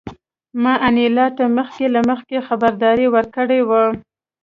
ما انیلا ته مخکې له مخکې خبرداری ورکړی و